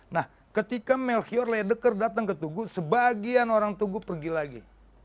nah ketika melkire ladyer datang ke tugu sebagian orang tugu pergi lagi